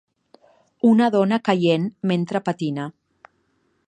Una dona caient mentre patina.